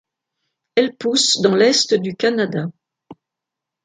Elle pousse dans l'Est du Canada.